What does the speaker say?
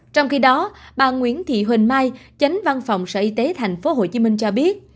trong khi đó bà nguyễn thị huỳnh mai chánh văn phòng sở y tế tp hcm cho biết